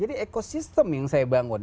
jadi ekosistem yang saya bangun